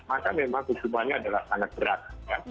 maka memang hukumannya adalah sangat berat